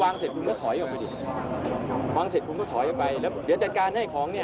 อย่างนี้เดี๋ยวของลุงไพร์ของจำลวชเข้ามา